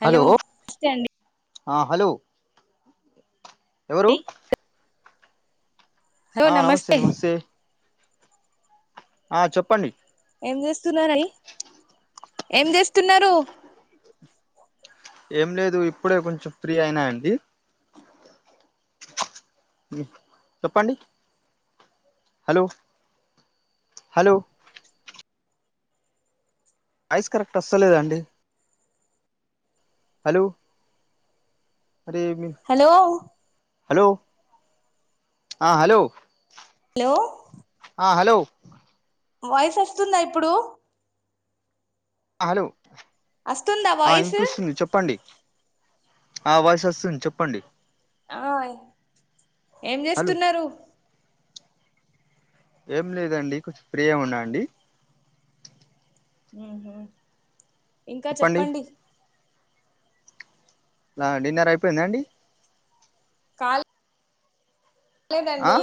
Hello నస్తే అండి ఆ హలో ఎవరు ఆ నమస్తే నమస్తే ఆ చెప్పండి. ఏం చేస్తున్నారండి ఏం చేస్తున్నారు ఏం లేదు ఇప్పుడే కొంచెం ఫ్రీ అయినా అండి. మ్ చెప్పండి. హలో హలో ఐస్ కరెక్ట్ వస్తలేదండి హలో అరే మీ హలో హలో ఆ హలో అలో ఆ హలో వాయిస్ వస్తుందా ఇప్పుడు హలో వస్తుందా ఆ వాయిస్ ఇంకుస్తుంది చెప్పండి. ఆ వాయిసు వస్తుంది చెప్పండి. ఆయ్ ఏం హలో చేస్తున్నారు? ఏం లేదండి కొంచ్ ఫ్రీయా ఉన్నా అండి ఊహు ఇంకా చెప్పండి? లా డిన్నర్ అయిపోయిందా అండి. కాల్ ఆ లేదండి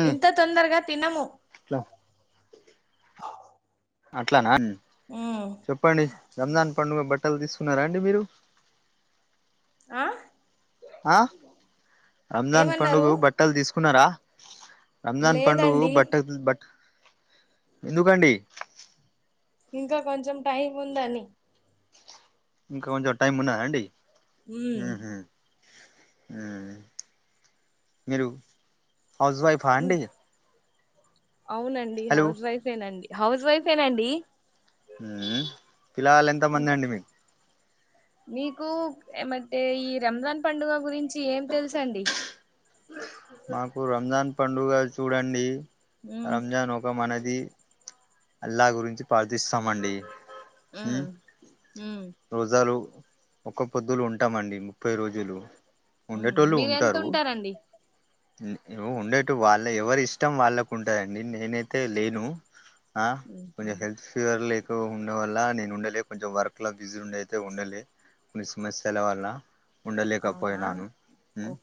ఉమ్, ఇంత తొందరగా తినము అట్లా అట్లానా ఉమ్ చెప్పండి రంజాన్ పండుగ బట్ బట్టలు తీసుకున్నారా అండి మీరు ఆ ఆ రంజాన్ ఏమన్నారు పండుగు బట్టల్ తీసుకున్నారా? రంజాన్ పండుగు లేదండి బట్టల్ బట్ట ఎందుకండి ఇంకా కొంచెం టైం ఉందని ఇంకా కొంచెం టైమ్ ఉన్నదా అండి. ఉమ్ మీరు హౌస్ వైఫా అండి అవునండి హలో హౌస్ వైఫేనండి హౌస్ వైఫేనండి పిల్లాలు ఇంకా ఎంతమంది అండి మీక్ మీకు ఏమంటే ఈ రంజాన్ పండుగ గురించి ఏం తెలుసు అండి మాకు రంజాన్ పండుగ చూడండి ఉమ్ రంజాన్ ఒక మనది ఇది అల్లా గురించి పార్థిస్తామండి. ఉహ్మ్ ఉమ్ రోజాలు ఒక్క పొద్దులు ఉంటామండి ముప్పై రోజులు ఉమ్ ఉండేటోళ్ళు మీరెంత ఉంటారు. ఉంటారండి మ్ ఉండేట్టు వాళ్ళ ఎవరి ఇష్టం వాళ్ళకు ఉంటదండి నేనైతే లేను. ఆ ఉహు కొంచెం హెల్త్ ఫివర్లో రో ఉండ వల్ల నేను ఉండలే కొంచెం వర్క్ లో బిజీ ఉండ అయితే ఉండలే కొన్ని సమస్యల వల్ల అవునా ఉండలేకపోయినాను ఉమ్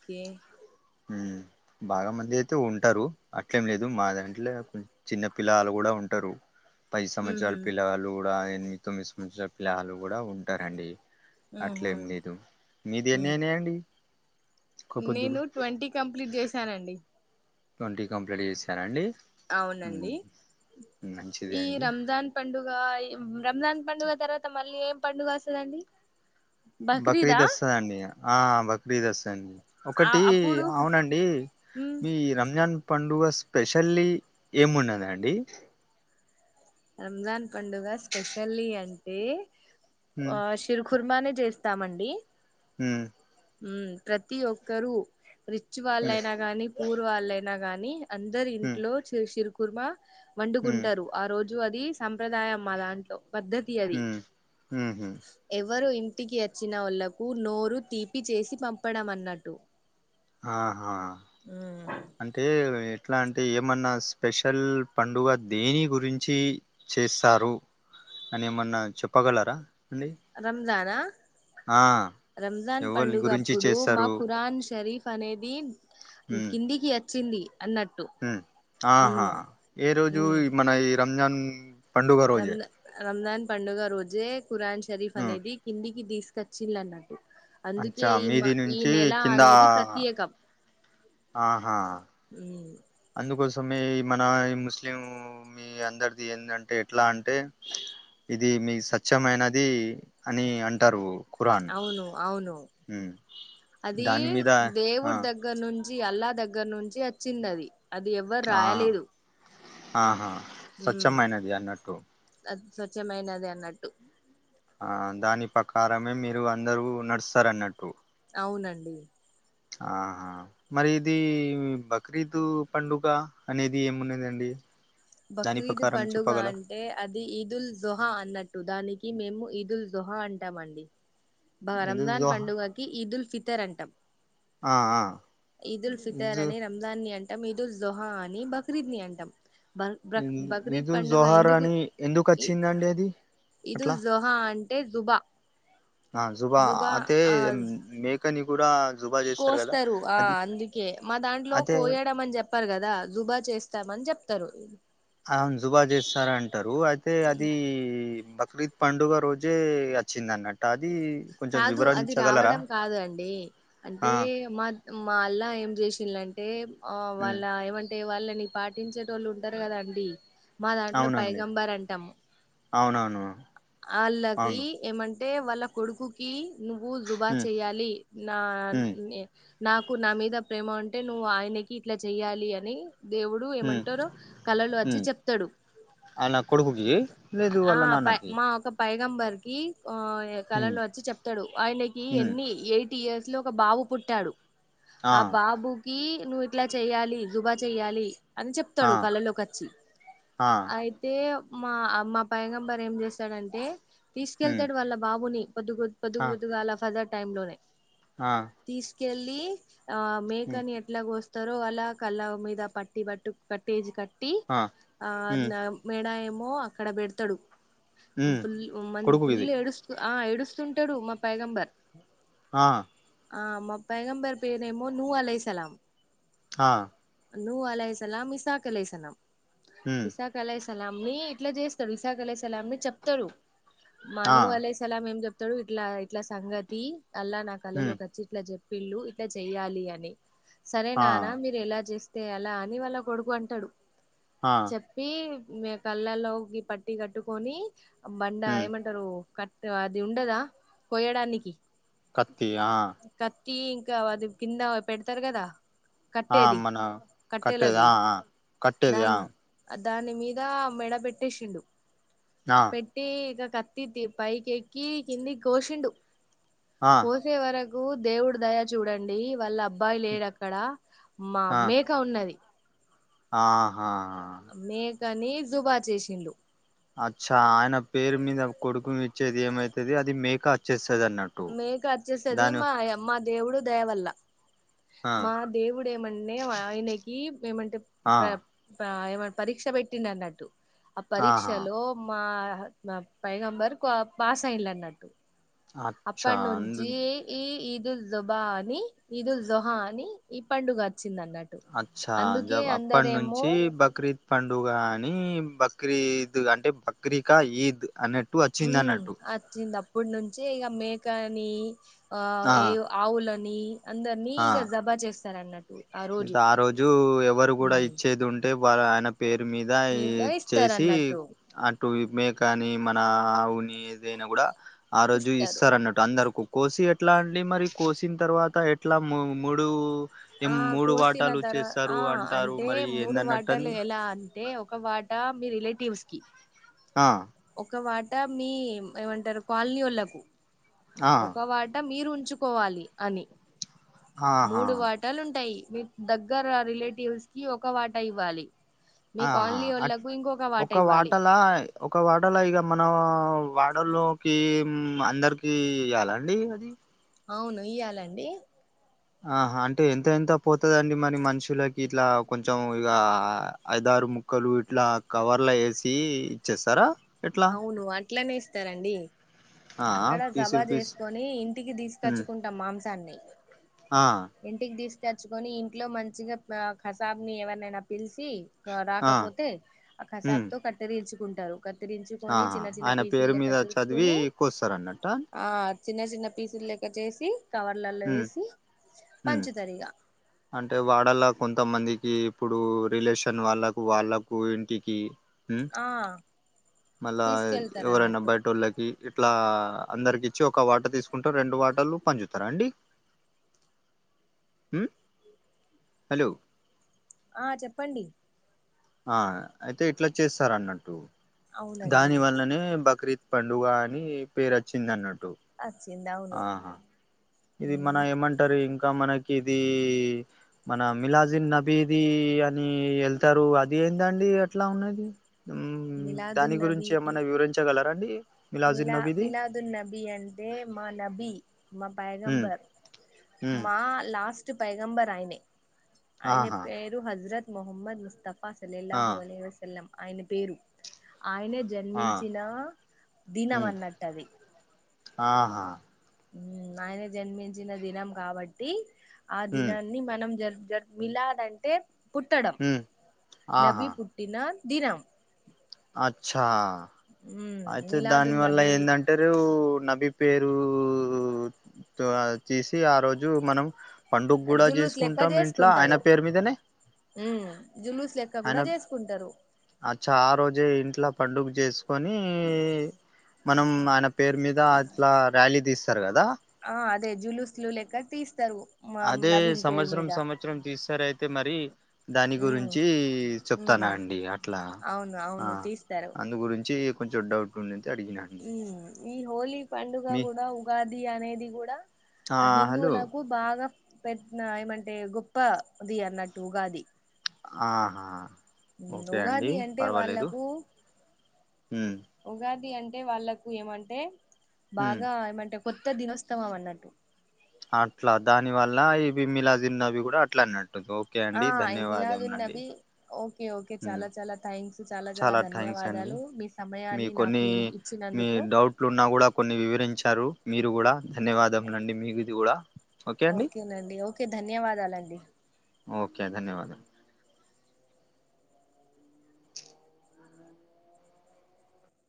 ఉమ్. అ బాగా మంది అయితే ఉంటారు అట్లేం లేదు మా దాంట్లో చిన్న పిల్లలు కూడా ఉంటారు పది సంవత్సరాల ఉహు పిల్లలు కూడా ఎనిమిది తొమ్మిది సంవత్సరాల పిల్లలు కూడా ఉంటారండి ఉహు అట్లేం లేదు మీది ఉమ్ ఎన్నైనాయ్ అండి నేను ట్వంటీ కంప్లీట్ చేసానండి ట్వంటీ కంప్లీట్ చేశారా అండి అవునండి మంచిది ఈ అండి రంజాన్ పండు గా రంజాన్ పండుగ తర్వాత మళ్ళీ ఏం పండుగ వస్తుందండి బక్రీద్ వస్తుదండి ఆ బక్రీద్ వస్తండి ఆ ఒకటి అప్పుడు అవునండి ఉమ్ మీ రంజాన్ పండుగ స్పెషల్లీ ఏమున్నదండి రంజాన్ పండుగ స్పెషల్లీ అంటే ఉమ్ ఆ సిరుకు కుర్మానే చేస్తామండి ఉమ్ ఉమ్ ప్రతి ఒక్కరు రిచ్ ఉమ్ వాళ్ళైనా గాని పూర్ వాళ్ళైనా గాని అందరు ఇంట్లో చేసిర్రు కుర్మ ఉమ్ వండుకుంటారు ఆ రోజు అది సంప్రదాయం మా దాంట్లో పద్ధతి అది ఉమ్ ఉమ్ ఉహు ఎవరు ఇన్ ఇంటికి వచ్చిన వాళ్లకు నోరు తీపి చేసి పంపడం అన్నట్టు ఆహా అంటే ఎట్లా అంటే ఏమన్నా స్పెషల్ పండుగ దేని గురించి చేస్తారు అని ఏమన్నా చెప్పగలరా అండి దానా ఆ రంజాన్ ఎవళి పండుగ గురించి అప్పుడు మా చేస్తారు ఖురాన్ షరీఫ్ అనేది ఉమ్ కిందికి చింది ఉమ్ ఆహా ఏ రోజు మన ఈ రంజాన్ పండుగ రోజే రంజాన్ రంజాన్ పండుగ రోజే కురాన్ షరీఫ్ ఉమ్ అనేది కిందికి తీసుకు వచ్చిల్లన్నట్టు అందుకే అచ్చా ఈ మా మీది ఈ నుంచి నెల కింద అనేది ప్రత్యేకం ఆహా ఉమ్ అందుకోస్ సో మీ మన ఈ ముస్లిం మీ అందరిది ఏందంటే ఎట్లా అంటే ఇది మీ సత్యమైనది అని అంటారు ఖురాన్ అవును అవును ఉమ్ అది దాని మీద ఆ దేవుడి దగ్గర నుం చి అల్లా దగ్గర నుంచి వచ్చింది అది అది ఎవ్వరు ఆహా రాయలేదు ఆహా ఉమ్ స్వచ్ఛమైనది అన్నట్టు అది స్వచ్ఛమైనది అన్నట్టు ఆ దాని ప్రకారమే మీరు అందరు నడుస్తారు అన్నట్టు అవునండి ఆహా మరి ఇది బక్రీదు పండుగ అనేది ఏమున్నదండి దాని బక్రీద్ ప్రకారం పండుగ చెప్పగల అంటే అది ఈదుల్ జొహా అన్నట్టు దానికి మేము ఈదుల్ దుహా అంటామండి ఇది రంజాన్ జోహా పండుగకి ఈదుల్ ఫి తేరంటం ఆ ఆ ఈదుల్ ఫితర్ ఇది అనే రంజాన్ ని అంటా మీద జొహా అని బక్రీద్ని అంటాం బ బ బక్రీద్ ఇది పండుగ జోహార్ ఎందుకు అని ఎందుకు వచ్చిందండి అది అట్లా ఇదుల్ జోహా అ ఏ జుబా ఆ జుబా అతే మేకని కూడా జుబా చేస్తారు కదా కోస్తారు ఆ అది అందుకే మా దాంట్లో అదే కోయడం అని చెప్పారు కదా జుబా చేస్త ఇస్తామని చెప్తారు అవును జుబా చేస్తార అంటారు అయితే అది బక్రీద్ పండుగ రోజే వచ్చింద అన్నట కాదు అది రావడం కాదు అండి ఆ అంటే మా మా అల్లా ఏం చేసీల్ అంటే ఆ ఉమ్ వాళ్ళ ఏమంటే వాళ్ళని పాటించేటోళ్లు ఉంటారు కదా అండి మా దాంట్లో అవునండి పైగంబర్ అంటాము అవునవును ఆళ్ళకి అవును ఏమంటే అంటే వాళ్ళ కొడుకుకి నువ్వు జుబా హ్మ్ చెయాలి నా హ్మ్ నే నాకు నా మీద ప్రేమ అంటే నువ్వు ఆయనకి ఇట్లా చెయ్యాలి అని దేవుడు హ్మ్ ఏమంటారో కళలు వచ్చి హ్మ్ చెప్తాడు అలా కొడుకుకి లేదు ఆ అలా పై నాన్నకి మా ఒక పైగంబర్ కి ఆ హ్మ్ కలలో వచ్చి చెప్తాడు ఆయనకి హ్మ్ ఎన్ని ఎయిట్ ఇయర్స్ లో ఒక బాబు పుట్టాడు ఆ బాబు కి నువ్వు ఇట్లా చెయ్యాలి దుబా చెయ్యాలి అని ఆ చెప్తాడు కళ్ళలోకిచ్చి ఆ అయితే మా మా పైంగంబారు ఏం చేస్తాడంటే హ్మ్ తీసుకెళ్తాడు వాళ్ళ బాబుని గుద్ పొదు ఆ పొద్దుగాల ఫజా టైం లోనే ఆ కెళ్ళి ఆ హ్మ్ మేకని ఎట్లా గోస్ తరు అలా కళ్ళ మీద పట్టి బట్టు కట్టేజి క పట్టి ఆ హ్మ్ నా మెడ ఏమో అక్కడ పెడతాడు హ్మ్ ఫుల్ మన్ ఫుల్ కొడుకుకిది ఏడుస్త ఆ ఏడుస్తుంటాడు మా పైగంబర్ ఆ ఆ మా పైగంబేర్ పేరేమో నూ అలే సలాం హా నూ అలే సలాం ఇసాక్ అలే సలాం హ్మ్ ఇసాక్ అలే సలాంని ఇట్లా చేస్తాడు ఇసాక్ అలే సలాం ని చెప్తరు మా ఆ నూ అలే సలాం ఏం చెప్ తడు ఇట్లా ఇట్లా సంగతి అల్లా నా హ్మ్ కలలోకచ్చి ఇట్లా చెప్ పిల్లు ఇట్లా చెయ్యాలి అని సరే ఆ నానా మీరు ఎలా చేస్ తే అలా అని వాళ్ళ కొడుకు అంటాడు ఆ చెప్పి మే కళ్ళల్లోకి పట్టి కట్టుకొని బండ హ్మ్ ఏమంటారు కట్ అద్ ది ఉండదా కొయ్యడానికి కత్తి ఆ తీ ఇంకా అది కింద పెడతారు కదా ఆ కట్టేది మన కట్టేది కట్టేలాది ఆ ఆ కట్టేది ఆ దాన్ని అద్ దాని మీద మెడ పెట్టేషిడు ఆ పెట్టి ఇక కత్తి తీ పైకె కి కిందికి కోషిండు ఆ కోసే వర కు దేవుడు దయ చూడండి వాళ్ళ అబ్బాయి లేడు అక్కడ మా ఆ మేక ఉన్నది ఆహా కానీ జుబా చేసిండు వచ్చేది ఏమైతది అది మేక వచ్చేసి మేక అచ్చేసేది మా మా దేవుడు దయవల్ల ఆ మా దేవుడేమంటే ఆయనకి ఏమంటే ఆ ప్ర ఆ ఏమైనా పరీక్ష పెట్టిండ్ అన్నట్టు ఆ ఆహా పరీక్షలో మా పైంబర్ పాసం ఇల్న్నట్టు అచ్చా అప్పట్ అందు నుంచి ఈ ఇద్ ఇదుల్ జుబా అని ఇదుల్ జుహా అని ఈ పండుగ వచ్చింది అన్నట్టు అచ్చా జ అందుకే అప్పం అందరేమో నుంచి బక్రీద్ పండుగా అని బక్రీద్ అంటే బక్రిక ఈద్ అన్నట్టు వచ్చింది అన్నట్టు ఇప్పుడు నుంచే ఇక మేకని ఆ ఏ ఆవులని అందరినీ ఆ ఇక జబా చేస్తారు అన్నట్టు ఇది ఆ రోజు ఎవరు కూడా ఉమ్ ఇచ్చేది ఉంటే వా ఆయన పేరు మీద ఈ మీదా ఇస్తారు చేసి అన్నట్టు అట్ టు మే కాని మన ఆవుని ఏదైనా కూడా ఆ రోజు ఇస్తారు ఇస్తారన్నట్టు అందరుకు కోసి ఎట్లా అండి మరి కోసిన తర్వాత ఎట్లా మ్ మూడు ఏం ఆ మూడు కోసిన వాటాలు తర్వాత చేస్తారు ఆ అంటారు అంటే మరి మూడు వాటలు ఏందన్నట్టంది ఎలా అ టే ఒక వాట మీ రిలేటివ్స్ కి ఆ ఒక వాట్ ట మీ ఏమంటారు కాలనీ వాళకు ఆ ఒక వాట మీరు ఉంచుకోవాలి అని ఆహా టై మీ దగ్గర రిలేటివ్స్ కి ఒక వాట ఇవ్వాలి మీ ఆహా కాలనీ అట్ వోళ్ళకు ఇంకొక వాటా ఒక ఇవ్వాలి వాటలా ఒక వాటలా ఇగ మన వాడల్లోకి మ్ అందరికి ఇయ్యాల అండి అది అవును ఇయ్యాలండి ఆ అంటే ఎంత ఎంత పోతదండి మరి మనుషులకి ఇట్లా కొంచెం ఇగ ఐద ారు ముక్కలు ఇట్లా కవర్ లా వేసి ఇచ్చేస్తారా ఎట్లా అవును అట్లనే ఇస్తారండి ఆ అక్కడ జభా పీసులు పీస్ చేసుకొని ఇంటికి ఉమ్ తీసుకచ్చుకుంటాం మాంసాన్ని ఆ ఇంటికి దిస్ కచ్చుకొని ఇంట్లో మంచిగా కసాబ్ ని ఎవరినైనా పిలిచి ఆ రాకపోతే ఆ కసాబ్ ఉమ్ తో కట్టెరిచుకుంటారు కత్తిరించుకొని ఆహా చిన్న చిన్న పీసులు లెక్క చేూసుకుని సరన్నట చిన్న చిన్న పీసులెక్క చేసి కవర్లలో హు వేసి హు పంచుతారు ఇక అంటే వాడలా కొ కొంత మందికి ఇప్పుడు రిలేషన్ వాళ్ళకు వాళ్ళకు ఇంటికి హు ఆ మళ్ళా తీసుకెళ్తారు ఎవరైనా అన్నట్టు బయటోళ్ళకి ఇట్లా అందరికి ఇచ్చి ఒక వాట తీసుకుంటూ రెండు వాటలు పంచ్ తర అండి హు హలో ఆ చెప్పండి ఆ అయితే ఇట్లా చేస్తారన్నట్టు అవునండి దాని వల్లనే బక్రీద్ పండుగ అని పేరు వచ్చింది అన్నా అచ్చిన్ ఆహా ఇది మన ఏమంటారు ఇంకా మనకి ఇది మన మిలాజన్ నబీది అని వెళ్తారు అది ఏందండి ఎట్లా ఉన్నది హుమ్ దాని గురించి మిలాదున్నబి ఏమన్నా వివరించగలరా అండి మిలా మిలాదున్ నబీ అంటే మా నబీ మా ఉమ్ పైగంబర్ ఉమ్ మా లాస్ట్ పైగంబర్ ఆయనే ఆయన ఆహా పేరు హజరత్ ముహమ్మద్ ముస్తఫా సలేల ఆ హువా లెస్ వాలం ఆయన పేరు ఆయనే ఆ జన్మించిన దినం ఉమ్ అన్నట్టు అది ఆహా హుమ్ ఆయనే జన్మించిన దినం కాబట్టి ఆ ఉమ్ దినాన్ని మనం జర్ జర్ మిలాద్ అంటే పుట్టడం ఉమ్ నబీ ఆహా పుట్టిన దినం అచ్చా మ్ అయితే దాని వల్ల ఏందంటారు నబీ పేరు త తీసి ఆ రోజు మనం పండుగ కూడా జులూస్ చేసుకుంటాం ఇంట్ల ఆయన పేరు మీదనే హుమ్ జుమ్ముస్ లెక్క ఆయన కూడా చేసుకుంటారు జె ఇంట్ల పండుగ చేసుకొ ని మనం ఆయన పేరు మీద అట్లా ర్యాలీ తీస్తారు కదా ఆ అదే జులుస్లు లెక్క తీస్ అదే సంవత్సరం సంవత్సరం తీసారైతే మరి దాని ఉమ్ గురించి చెప్తాను ఉమ్ అండి అట్లా అవును ఆ అవును తీస్తారు అందు గురించి కొంచెం డౌట్ ఉండది అడిగినాండి ఉమ్ ఈ హోలీ పండుగ కూడా ఉగాది అనేది కూడా ఆ హలో హిందువులకు బాగా పెట్న ఏమంటే గొప్పది అన్నట్టు ఉగాది ఆహా ఓకే అండి ఉగాది అంటే పర్వాలేదు వాళ్ళకు హ్మ్ ఉగాది అంటే అంటే వాళ్ళకు ఏమంటే హ్మ్ బాగా ఏమంటే కొత్త దినోత్సవం అన్నట్టు అట్లా దాని వల్ల ఈ బి మిలాజ నబీ కూడా అట్లా అన్నాడు ఓకే ఆ అండి ధన్యవాదములు మిలాదున్ అండి నబి ఓకే ఓకే చాలా చాలా థ్యాంక్స్ చాలా చాలా థ్యాంక్స్ అండి ధన్యవాదాలు మీ మీ సమయాన్ని నాకు కొన్ని మీ ఇచ్చినందుకు డౌట్లు ఉన్నా కూడా కొన్ని వివరించారు మీరు కూడా ధన్యవాదము అండి మీకుది కూడా ఓకే అండి ఓకేనండి ఓకే ధన్యవాదాలండి క ధన్యవాద